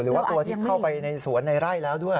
หรือว่าตัวที่เข้าไปในสวนในไร่แล้วด้วย